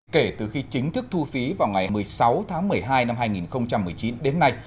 kể từ khi chính thức thu phí vào ngày một mươi sáu tháng một mươi hai năm hai nghìn một mươi chín đến nay